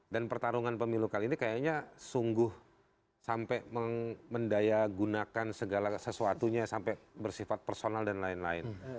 dan pertarungan pemilu kali ini kayaknya sungguh sampai mendaya gunakan segala sesuatunya sampai bersifat personal dan lain lain